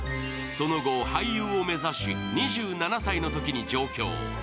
その後、俳優を目指し、２７歳のときに状況。